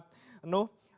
terima kasih banyak pak m nuh